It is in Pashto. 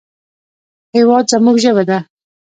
هېواد زموږ ژبه ده